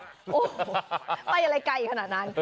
โอ้โหไปอะไรไกลขนาดนั้น